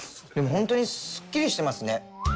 ほんとにすっきりしてますね。